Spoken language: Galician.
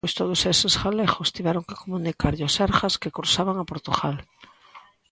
Pois todos eses galegos tiveron que comunicarlle ao Sergas que cruzaban a Portugal.